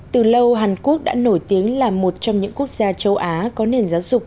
từ lâu hàn quốc đã nổi tiếng là một trong những quốc gia châu á có nền giáo dục